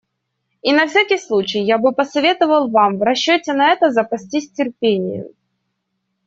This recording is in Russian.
И на всякий случай я бы посоветовал вам в расчете на это запастись терпением.